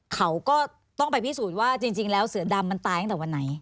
เขาก็ต้องไปพิสูจน์ว่าจริงแล้วเสือดำมันตายตั้งแต่วันไหน